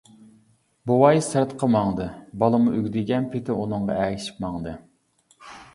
بوۋاي سىرتقا ماڭدى، بالىمۇ ئۈگدىگەن پېتى ئۇنىڭغا ئەگىشىپ ماڭدى.